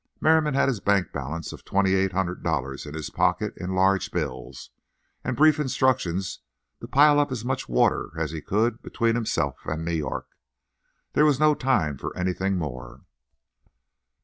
Merriam had his bank balance of $2,800 in his pocket in large bills, and brief instructions to pile up as much water as he could between himself and New York. There was no time for anything more.